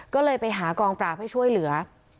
ก็เลยไปหากองปราบให้ช่วยเหลือ